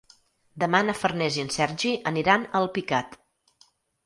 Demà na Farners i en Sergi aniran a Alpicat.